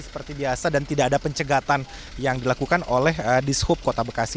seperti biasa dan tidak ada pencegatan yang dilakukan oleh dishub kota bekasi